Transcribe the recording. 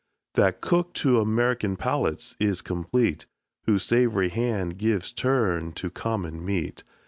That cook to American palates is complete, Whose savory hand gives turn to common meat.